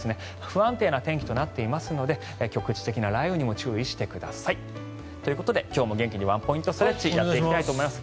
不安定な天気となっていますので局地的な雷雨にも注意してください。ということで今日も元気にワンポイントストレッチをやっていきたいと思います。